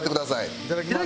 いただきます。